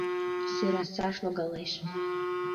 Сӧрасаш логалеш.